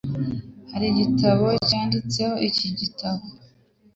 Hari igitabo cyanditseho iki gitabo?